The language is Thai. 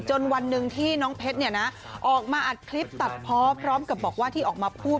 วันหนึ่งที่น้องเพชรออกมาอัดคลิปตัดเพาะพร้อมกับบอกว่าที่ออกมาพูด